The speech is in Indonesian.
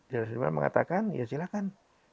jenderal sudirman mengatakan ya silahkan